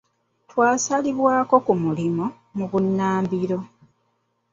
Twasalibwako ku mulimu mu bunnambiro.